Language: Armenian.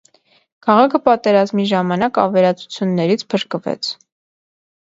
Քաղաքը պատերազմի ժամանակ ավերածություններից փրկվեց։